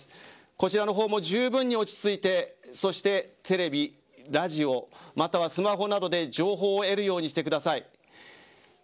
こちらの方もじゅうぶんに落ち着いてそしてテレビ、ラジオまたはスマホなどで情報を得るようにしてください。